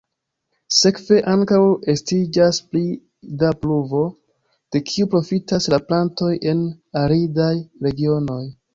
Sekve ankaŭ estiĝas pli da pluvo, de kiu profitas la plantoj en aridaj regionoj.